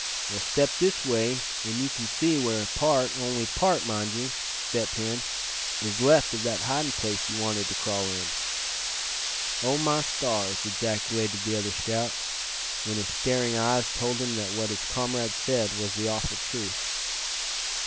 Well, step this way and you can see where part, only part, mind you, Step Hen, is left of that hiding place you wanted to crawl in." "Oh! my stars!" ejaculated the other scout, when his staring eyes told him that what his comrade said was the awful truth.